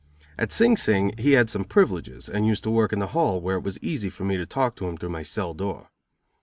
At Sing Sing he had some privileges, and used to work in the hall, where it was easy for me to talk to him through my cell door.